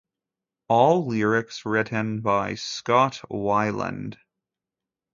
All lyrics written by Scott Weiland.